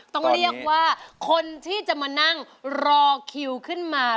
ต้องเรียกว่าคนที่จะมานั่งรอคิวขึ้นมา